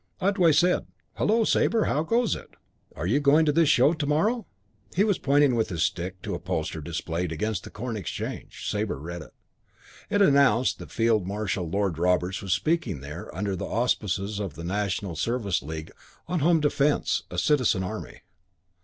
Otway said, "Hullo, Sabre. How goes it? Are you going to this show to morrow?" He was pointing with his stick to a poster displayed against the Corn Exchange. Sabre read it. It announced that Field Marshal Lord Roberts was speaking there, under the auspices of the National Service League, on Home Defence a Citizen Army.